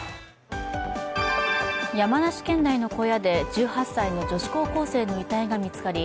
山梨県内の小屋で１８歳の女子高校生の遺体が見つかり